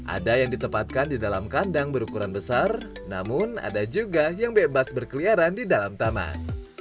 ada yang ditempatkan di dalam kandang berukuran besar namun ada juga yang bebas berkeliaran di dalam taman